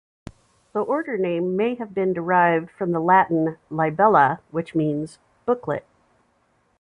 The order name may have been derived from the Latin "libella" which means "booklet".